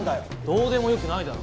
どうでもよくないだろ。